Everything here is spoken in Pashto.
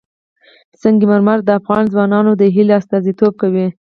سنگ مرمر د افغان ځوانانو د هیلو استازیتوب کوي.